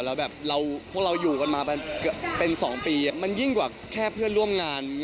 แล้วแบบเราพวกเราอยู่กันมาเป็น๒ปีมันยิ่งกว่าแค่เพื่อนร่วมงาน